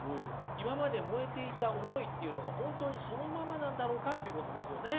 今まで燃えていた思いっていうのが本当にそのままなんだろうかということですよね。